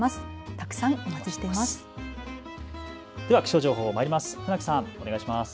たくさんお待ちしています。